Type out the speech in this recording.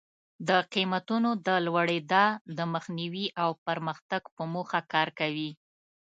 د قیمتونو د لوړېدا د مخنیوي او پرمختګ په موخه کار کوي.